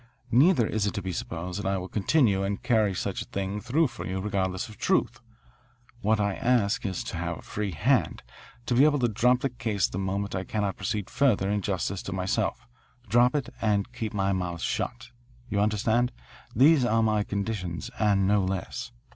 Neither is it to be supposed that I will continue and carry such a thing through for you regardless of truth. What I ask is to have a free hand, to be able to drop the case the moment I cannot proceed further in justice to myself, drop it, and keep my mouth shut. You understand? These are my conditions and no less."